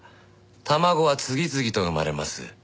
卵は次々と生まれます。